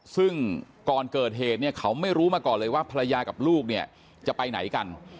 ซึ่งก่อนเกิดเหตุเนี่ยเขาไม่รู้มาก่อนเลยว่าภรรยากับลูกเนี่ยจะไปไหนกัน